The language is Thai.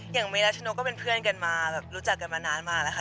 อย่างเมรัชนกก็เป็นเพื่อนกันมาแบบรู้จักกันมานานมากแล้วค่ะ